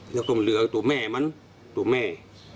แล้วก็เหลือตัวแม่มันตัวแม่